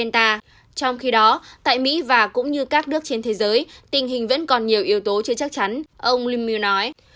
trong khi đó tại mỹ và cũng như các nước trên thế giới tình hình vẫn còn nhiều yếu tố chưa chắc chắn ông limil nói